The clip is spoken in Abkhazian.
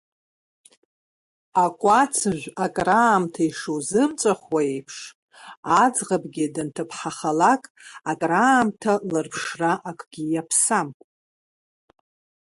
Акәац жәы акраамҭа ишузымҵәахуа еиԥш, аӡӷабгьы данҭыԥҳахалак акраамҭа лырԥшра акгьы иаԥсам…